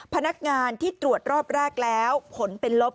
พนักงานที่ตรวจรอบแรกแล้วผลเป็นลบ